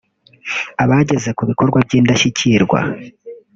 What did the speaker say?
abageze kubikorwa by’indashyikirwa